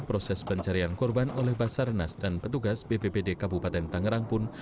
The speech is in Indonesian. proses pencarian korban oleh basarnas dan petugas bppd kabupaten tangerang pun